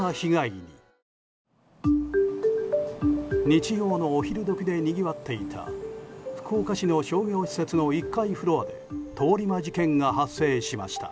日曜のお昼時でにぎわっていた福岡市の商業施設の１階フロアで通り魔事件が発生しました。